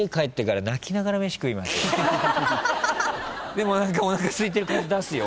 でもおなかすいてる感じ出すよ